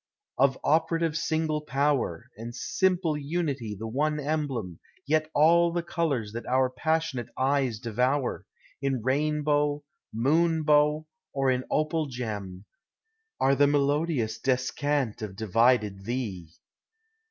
v —;; U POEMS OF NATURE. Of operative single power, And simple unity the one emblem, Yet all the colors that our passionate eyes devour, In rainbow, moonbow, or in opal gem, Are the melodious descant of divided thee.